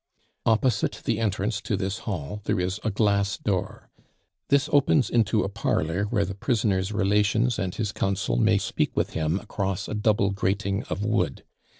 Opposite the entrance to this hall there is a glass door. This opens into a parlor where the prisoner's relations and his counsel may speak with him across a double grating of wood.